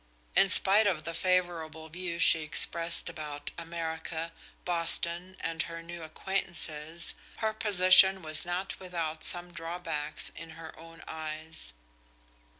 In spite of the favorable views she expressed about America, Boston, and her new acquaintances, her position was not without some drawbacks in her own eyes.